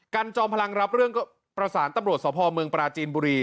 จอมพลังรับเรื่องก็ประสานตำรวจสภเมืองปราจีนบุรี